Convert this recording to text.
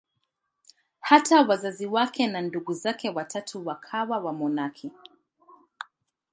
Hata wazazi wake na ndugu zake watatu wakawa wamonaki.